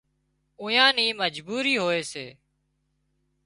اويئان نِي مجبُوري هوئي سي